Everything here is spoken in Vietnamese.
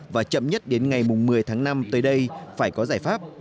và chậm nhất đến ngày một mươi tháng năm tới đây phải có giải pháp